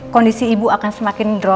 kondisi ibu akan semakin drop